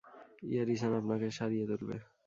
ইয়েরি-সান আপনাকে সারিয়ে তুলবে।